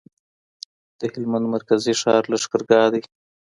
د هلمند مرکزي ښار لشکرګاه دی.